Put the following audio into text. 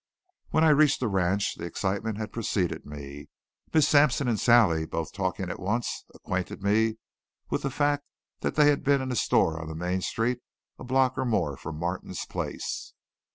When I reached the ranch the excitement had preceded me. Miss Sampson and Sally, both talking at once, acquainted me with the fact that they had been in a store on the main street a block or more from Martin's place.